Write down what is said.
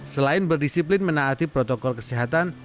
selain berdisiplin menaati protokol kesehatan